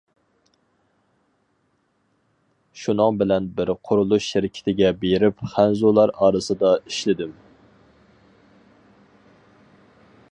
شۇنىڭ بىلەن بىر قۇرۇلۇش شىركىتىگە بېرىپ خەنزۇلار ئارىسىدا ئىشلىدىم.